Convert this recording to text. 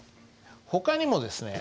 ほかにもですね